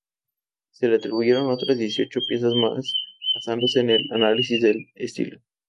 Se le atribuyen otras dieciocho piezas más basándose en el análisis de estilo.